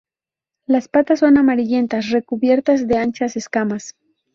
Las patas son amarillentas recubiertas de anchas escamas.